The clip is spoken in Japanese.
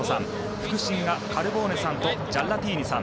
副審がカルボーネさんとジャッラティーニさん。